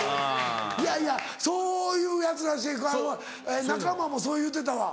いやいやそういうヤツらしい仲間もそう言うてたわ。